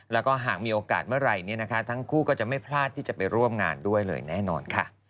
แล้วก็หากมีโอกาสเมื่อไหร่ทั้งคู่ก็จะไม่พลาดที่จะไปร่วมงานด้วยเลยแน่นอนค่ะ